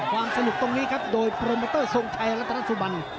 ความสนุกตรงนี้ครับโดยโปรเมอร์เตอร์ทรงชัยและทรัศุบัน